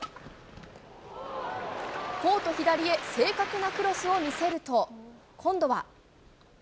コート左へ正確なクロスを見せると、今度は。